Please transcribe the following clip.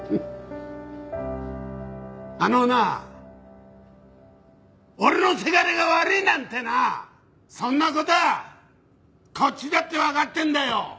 あのな俺の倅が悪いなんてなあそんな事はこっちだってわかってんだよ。